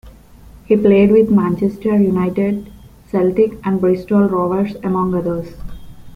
He played with Manchester United, Celtic and Bristol Rovers, among others.